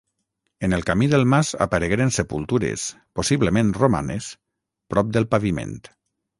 En el camí del mas aparegueren sepultures, possiblement romanes, prop del paviment.